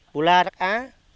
bù la đắc á